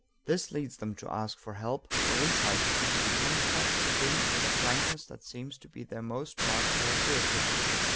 This leads them to ask for help, for insight, and to become fact seeking with a frankness that seems to be their most marked characteristic.